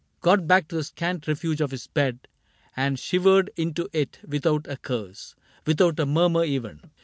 Got back to the scant refuge of his bed And shivered into it without a curse — Without a murmur even.